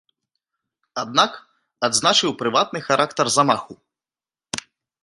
Аднак, адзначыў прыватны характар замаху.